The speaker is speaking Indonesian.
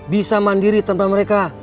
bisa mandiri tanpa mereka